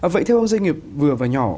vậy theo doanh nghiệp vừa và nhỏ